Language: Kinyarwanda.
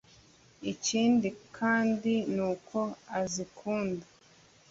Ikindi kandi nuko azikunda